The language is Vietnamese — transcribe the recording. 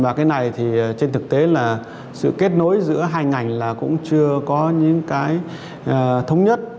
và cái này thì trên thực tế là sự kết nối giữa hai ngành là cũng chưa có những cái thống nhất